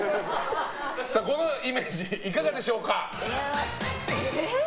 このイメージいかがでしょうか？